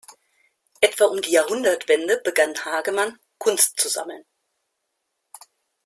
Etwa um die Jahrhundertwende begann Hagemann, Kunst zu sammeln.